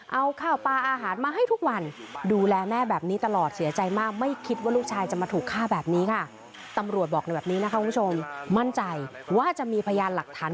เอาข้าวปลาอาหารมาให้ทุกวัน